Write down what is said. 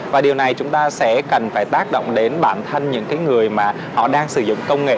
và điều này chúng ta sẽ cần phải tác động đến bản thân những người mà họ đang sử dụng công nghệ